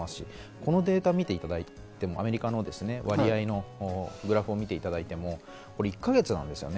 このデータを見ていただいてもアメリカの割合のグラフを見ていただいても、１か月なんですよね。